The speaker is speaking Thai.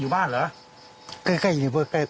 ทำหรือรู้เป็นกัน